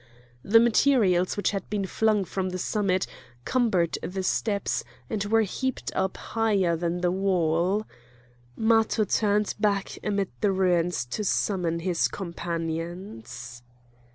The materials which had been flung from the summit cumbered the steps and were heaped up higher than the wall. Matho turned back amid the ruins to summons his companions.